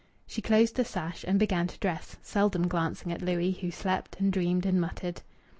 She closed the sash and began to dress, seldom glancing at Louis, who slept and dreamed and muttered.